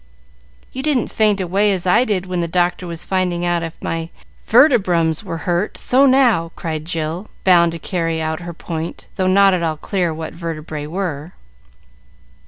"You didn't faint away as I did when the doctor was finding out if my vertebrums were hurt, so now!" cried Jill, bound to carry her point, though not at all clear what vertebrae were.